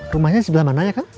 rumahnya di sebelah mananya kang